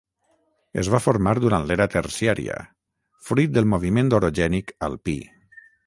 Es va formar durant l'Era terciària, fruit del moviment orogènic alpí.